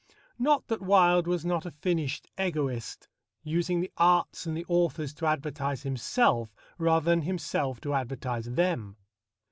Not that Wilde was not a finished egoist, using the arts and the authors to advertise himself rather than himself to advertise them.